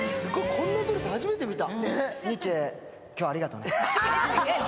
こんなドレス初めて見た。